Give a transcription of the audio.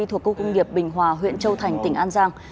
thuộc khu công nghiệp bình hòa huyện châu thành tỉnh an giang